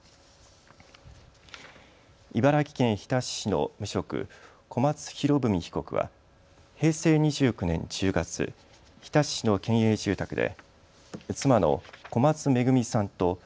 茨城県日立市の無職、小松博文被告は平成２９年１０月、日立市の県営住宅で。